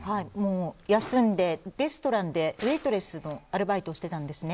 休んでレストランでウェートレスのアルバイトをしてたんですね。